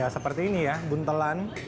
seperti ini buntelan